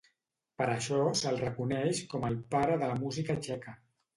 Per això, se'l reconeix com el pare de la música txeca.